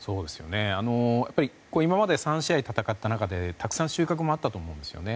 やっぱり今まで３試合戦った中でたくさん収穫もあったと思うんですよね。